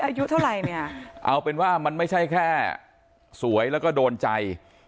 อายุเท่าไหร่เนี่ยเอาเป็นว่ามันไม่ใช่แค่สวยแล้วก็โดนใจ